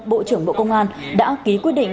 bộ trưởng bộ công an đã ký quyết định